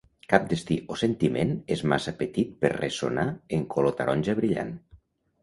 Cap destí o sentiment és massa petit per ressonar en color taronja brillant.